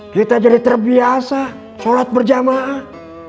kita jadi terbiasa sholat berjamaah